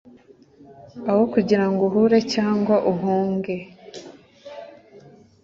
Aho kugira ngo uhure cyangwa uhunge.